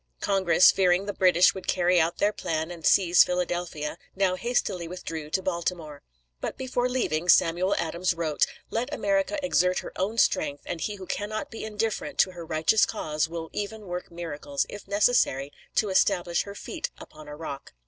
Congress, fearing the British would carry out their plan and seize Philadelphia, now hastily withdrew to Baltimore. But before leaving, Samuel Adams wrote: "Let America exert her own strength, and He who cannot be indifferent to her righteous cause will even work miracles, if necessary, to establish her feet upon a rock."